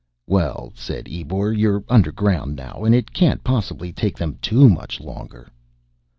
"Well," said Ebor, "you're underground now. And it can't possibly take them too much longer."